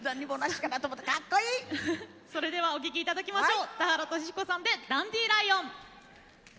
それではお聴きいただきましょう。